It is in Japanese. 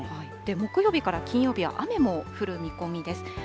木曜日から金曜日は、雨も降る見込みです。